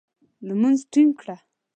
لمونځ ټینګ کړه !